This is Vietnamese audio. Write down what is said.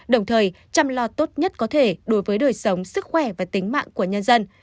đồng thời chăm lo tốt nhất có thể đối với đời sống sức khỏe và tính mạng của nhân dân